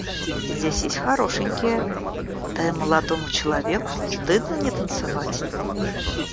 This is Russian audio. Здесь есть хорошенькие, да и молодому человеку стыдно не танцевать.